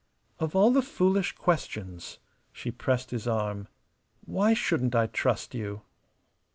"Of all the foolish questions!" She pressed his arm. "Why shouldn't I trust you?"